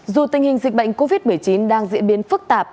dù tình hình dịch bệnh covid một mươi chín đang diễn biến phức tạp